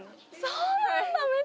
そうなんだ！